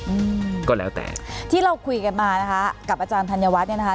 อืมก็แล้วแต่ที่เราคุยกันมานะคะกับอาจารย์ธัญวัฒน์เนี่ยนะคะ